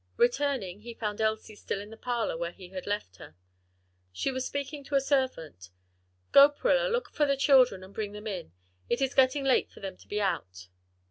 Returning, he found Elsie still in the parlor where he had left her. She was speaking to a servant, "Go, Prilla, look for the children, and bring them in. It is getting late for them to be out."